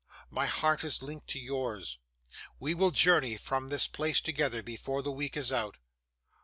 My heart is linked to yours. We will journey from this place together, before the week is out.